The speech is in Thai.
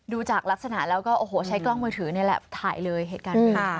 ดูจากลักษณะแล้วก็โอ้โหใช้กล้องมือถือนี่แหละถ่ายเลยเหตุการณ์ค่ะ